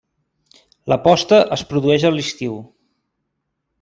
La posta es produeix a l'estiu.